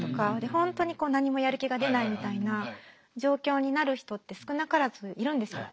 本当に何もやる気が出ないみたいな状況になる人って少なからずいるんですよ。